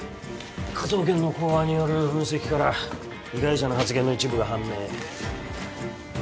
科捜研の口話による分析から被害者の発言の一部が判明